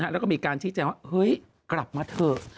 เว้ยให้กลับมาเถอะ